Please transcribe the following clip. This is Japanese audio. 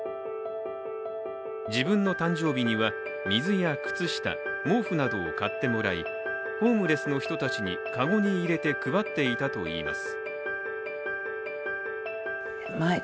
自分の誕生日には水や靴下毛布などを買ってもらいホームレスの人たちに籠に入れて配っていたといいます。